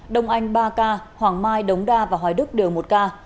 đông anh ba ca hoàng mai đống đa và hoài đức đều một ca